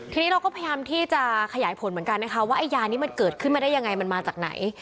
ทีนี้เราก็พยายามที่จะขยายผลเหมือนกันนะคะว่าไอ้ยานี้มันเกิดขึ้นมาได้ยังไงมันมาจากไหน